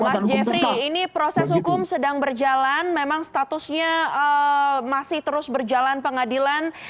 mas jeffrey ini proses hukum sedang berjalan memang statusnya masih terus berjalan pengadilan